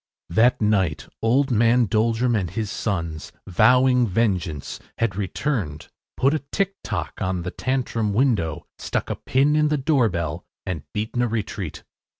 That night old man Doldrum and his sons, vowing vengeance, had returned, put a ticktock on the Tantrum window, stuck a pin in the doorbell, and beaten a retreat.